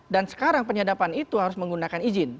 dan sekarang penyadapan itu harus menggunakan izin